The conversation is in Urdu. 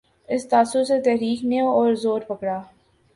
اس تاثر سے تحریک نے اور زور پکڑا۔